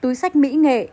túi sách mỹ nghệ